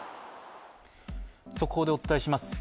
速報でお伝えします。